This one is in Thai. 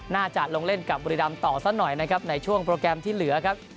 น่าจะลงเล่นกับบุรีรำต่อสักหน่อยนะครับในช่วงโปรแกรมที่เหลือครับ